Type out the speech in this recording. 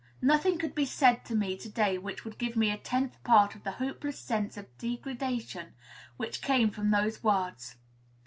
Nothing could be said to me to day which would give me a tenth part of the hopeless sense of degradation which came from those words.